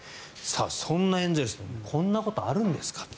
そんなエンゼルスのこんなことあるんですか。